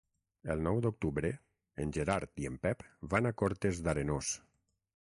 El nou d'octubre en Gerard i en Pep van a Cortes d'Arenós.